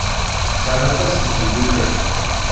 Sɛan aṭas n tmeddukal.